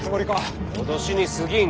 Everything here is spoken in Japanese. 脅しにすぎん。